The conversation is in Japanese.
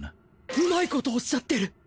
うまいことおっしゃってる！